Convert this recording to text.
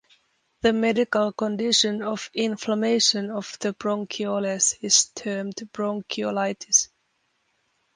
The medical condition of inflammation of the bronchioles is termed bronchiolitis.